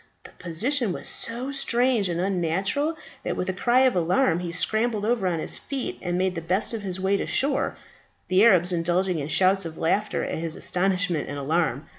The position was so strange and unnatural that with a cry of alarm he scrambled over on to his feet, and made the best of his way to shore, the Arabs indulging in shouts of laughter at his astonishment and alarm.